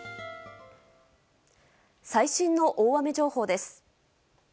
最新の大雨情報です。